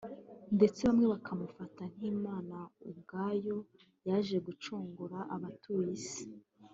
ndetse bamwe bakamufata nk’Imana Ubwayo yaje gucungura abatuye Isi